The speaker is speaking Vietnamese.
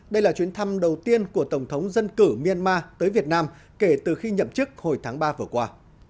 đây là chuyến thăm đầu tiên của tổng thống dân cử myanmar tới việt nam kể từ khi nhậm chức hồi tháng ba vừa qua